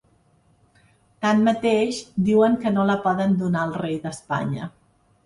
Tanmateix, diuen que no la poden donar al rei d’Espanya.